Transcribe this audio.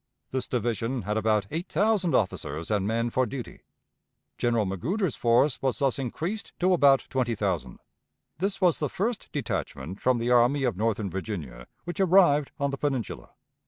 This division had about eight thousand officers and men for duty. General Magruder's force was thus increased to about twenty thousand. This was the first detachment from the Army of Northern Virginia which arrived on the Peninsula.